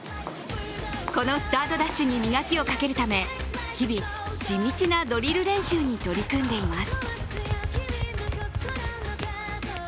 このスタートダッシュに磨きをかけるため日々、地道なドリル練習に取り組んでいます。